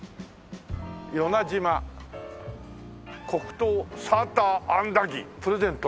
「よな島」「黒糖サーターアンダギープレゼント」